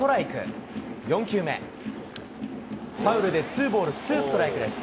ファウルでツーボールツーストライクです。